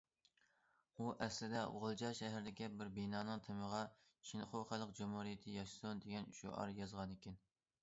ئۇ ئەسلىدە غۇلجا شەھىرىدىكى بىر بىنانىڭ تېمىغا« شىنخۇا خەلق جۇمھۇرىيىتى ياشىسۇن!» دېگەن شوئار يازغانىكەن.